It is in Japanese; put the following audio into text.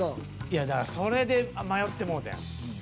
いやだからそれで迷ってもうてん。